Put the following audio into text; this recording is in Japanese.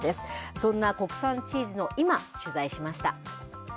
そんな国産チーズの今、取材しました。